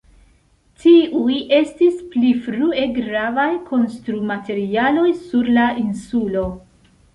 Tiuj estis pli frue gravaj konstrumaterialoj sur la insulo.